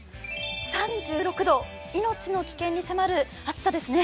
３６度、命の危険に迫る暑さですね。